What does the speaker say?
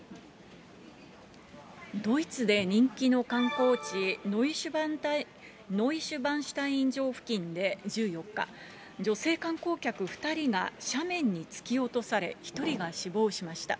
ドイツで人気の観光地、ノイシュバンシュタイン城付近で１４日、女性観光客２人が斜面に突き落とされ、１人が死亡しました。